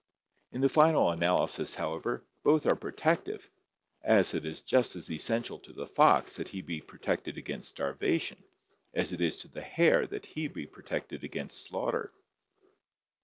In the final analysis, however, both are protective, as it is just as essential to the fox that he be protected against starvation as it is to the hare that he be protected against slaughter.